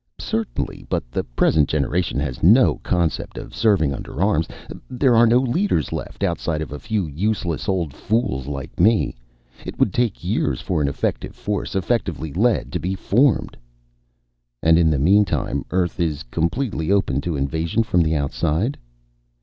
"Certainly. But the present generation has no concept of serving under arms. There are no leaders left, outside of a few useless old fools like me. It would take years for an effective force, effectively led, to be formed." "And in the meantime, Earth is completely open to invasion from the outside?"